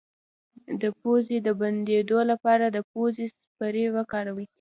د پوزې د بندیدو لپاره د پوزې سپری وکاروئ